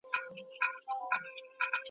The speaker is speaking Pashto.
د څيړني په لاره کي صبر پکار دی.